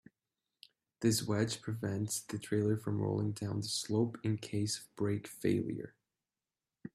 This wedge prevents the trailer from rolling down the slope in case of brake failure.